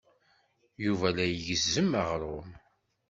Yuba la igezzem aɣrum.